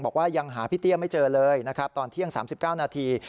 บอกว่ายังหาพี่เตี้ยไม่เจอเลยนะครับตอนเที่ยง๓๙นาที